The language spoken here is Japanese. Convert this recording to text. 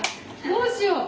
どうしよう。